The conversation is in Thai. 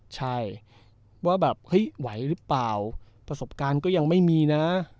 ใช่ว่าแบบเฮ้ยไหวหรือเปล่าประสบการณ์ก็ยังไม่มีนะ